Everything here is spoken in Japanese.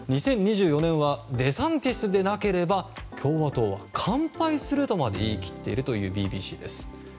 ２０２４年はデサンティスでなければ共和党が完敗するとまで言い切っているというＢＢＣです。